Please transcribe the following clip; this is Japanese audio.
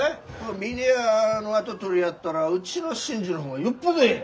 峰屋の跡取りやったらうちの伸治の方がよっぽどえい！